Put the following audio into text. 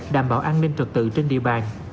đảm bảo an ninh trật tự trên địa bàn